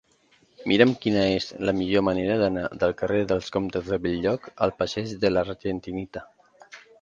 Mira'm quina és la millor manera d'anar del carrer dels Comtes de Bell-lloc al passeig de l'Argentinita.